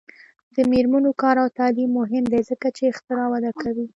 د میرمنو کار او تعلیم مهم دی ځکه چې اختراع وده کوي.